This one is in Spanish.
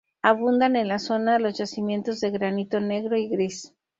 Abundan en la zona los yacimientos de granito negro y gris.